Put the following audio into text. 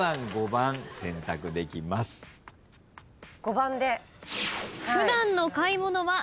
５番で。